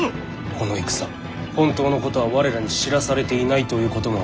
この戦本当のことは我らに知らされていないということもあろうかと。